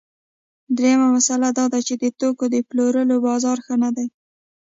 درېیمه مسئله دا ده چې د توکو د پلورلو بازار ښه نه دی